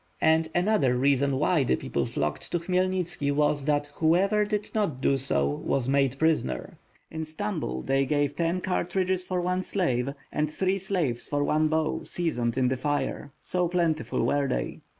And another reason why the people flocked to Khmyelnit ski was, that whoever did not do so was made prisoner. In Rtambul, they gave ten cartridges for one slave and three slaves for one bow seasoned in the fire, so plentiful were they.